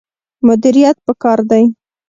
مدیریت پکار دی